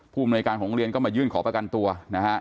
ผู้มูลในกลางของโรงเรียนก็มายื่นขอประกันตัวนะครับ